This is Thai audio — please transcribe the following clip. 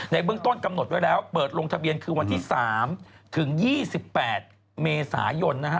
เบื้องต้นกำหนดไว้แล้วเปิดลงทะเบียนคือวันที่๓ถึง๒๘เมษายนนะฮะ